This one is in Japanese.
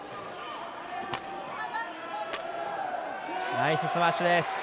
ナイススマッシュ。